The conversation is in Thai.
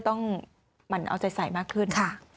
หมั่นเอาใจใส่มากขึ้น